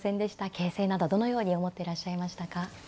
形勢などどのように思ってらっしゃいましたか。